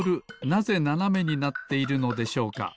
なぜななめになっているのでしょうか？